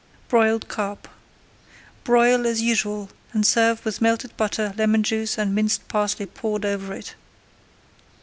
BROILED CARP Broil as usual and serve with melted butter, lemon juice, and minced parsley poured over it.